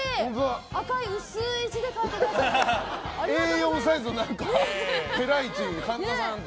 赤い薄い字で書いてくださって。